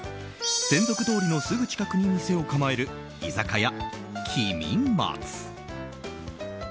千束通りのすぐ近くに店を構える居酒屋、喜美松。